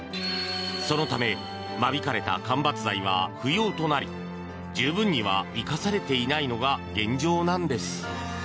そのため、間引かれた間伐材は不要となり十分には生かされていないのが現状なんです。